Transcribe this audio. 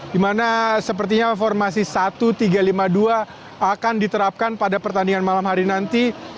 di mana sepertinya formasi satu tiga lima dua akan diterapkan pada pertandingan malam hari nanti